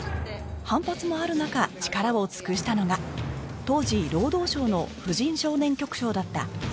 反発もあるなか力を尽くしたのが当時労働省の婦人少年局長だった赤松さんでした